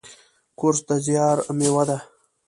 کورس د زیار میوه ده.